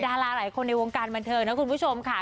ดาราในการบรรเทิงนะคะคุณผู้ชมค่ะ